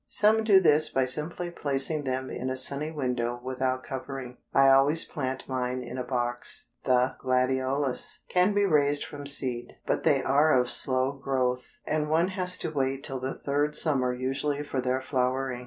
Some do this by simply placing them in a sunny window without covering. I always plant mine in a box. The gladiolus can be raised from seed, but they are of slow growth, and one has to wait till the third summer usually for their flowering.